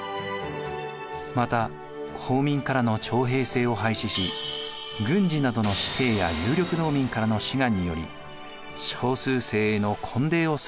また公民からの徴兵制を廃止し郡司などの子弟や有力農民からの志願により少数精鋭の健児を採用。